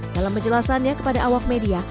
dalam penjelasannya kepada awak media